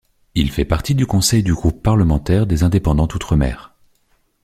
Il fait partie du conseil du groupe parlementaire des Indépendants d'Outre-Mer.